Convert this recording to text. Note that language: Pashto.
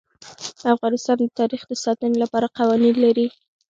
افغانستان د تاریخ د ساتنې لپاره قوانین لري.